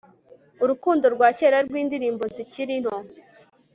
Urukundo rwa kera rwindirimbo zikiri nto